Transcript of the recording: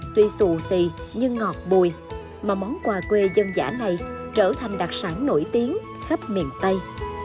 tuy xù xì nhưng ngọt bùi mà món quà quê dân giả này trở thành đặc sản nổi tiếng khắp miền tây